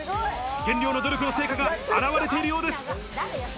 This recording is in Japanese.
減量の努力の成果が表れているようです。